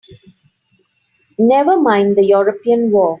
Never mind the European war!